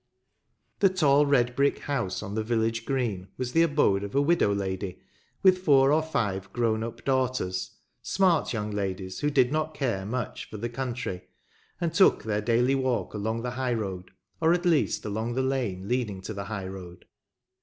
The tall red brick house on ^the village green was the abode of a widow lady, with four or five grown up daughters, smart young 8 RiVERTON. ladies, who did not care much for the country, and took their daily walk along the high road, or at least along the lane leading to the high road.